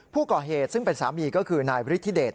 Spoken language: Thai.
ผู้ก่อเหตุซึ่งเป็นสามีก็คือนายฤทธิเดช